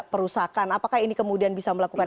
perusakan apakah ini kemudian bisa melakukan